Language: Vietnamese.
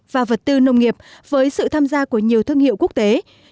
và vật tư nông nghiệp với sự tham gia của nhiều thương hiệu quốc tế